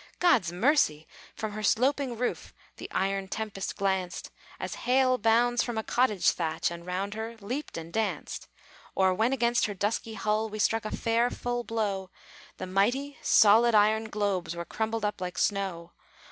God's mercy! from her sloping roof The iron tempest glanced, As hail bounds from a cottage thatch, And round her leaped and danced; Or, when against her dusky hull We struck a fair, full blow, The mighty, solid iron globes Were crumbled up like snow.